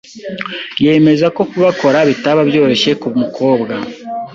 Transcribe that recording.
yemeza ko kugakora bitaba byoroshye ku mukobwa.